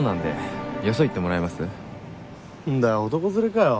男連れかよ。